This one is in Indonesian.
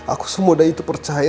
aku semudah itu percaya